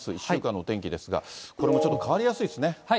１週間のお天気ですが、これもちょっと変わりやすいですね。